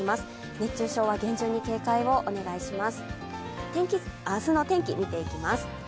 熱中症は厳重に警戒をお願いします。